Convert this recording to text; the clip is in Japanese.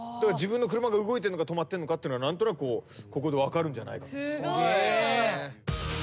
自分の車が動いてんのか止まってんのかってのは何となくここで分かるんじゃないかと。